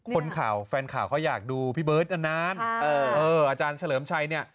คนข่าวแฟนข่าวเขาอยากดูพี่เบิร์ตนานเอออาจารย์เฉลิมชัยเนี่ย